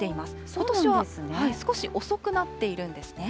ことしは少し遅くなっているんですね。